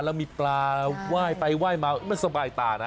แล้วมีปลาว่ายไปว่ายมามันสบายตานะ